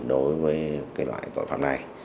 đối với loại tội phạm này